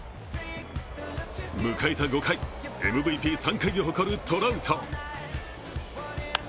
迎えた５回、ＭＶＰ３回を誇るトラウト。